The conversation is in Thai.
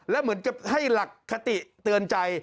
แล้วเหมือนกับให้หลักคติเตือนใจ